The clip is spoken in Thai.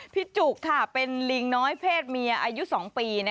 จุกเป็นลิงน้อยเพศเมียอายุ๒ปี